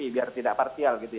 biar tidak partial gitu ya